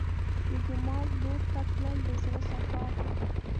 د جومات لور ته تلل د زړه صفا ده.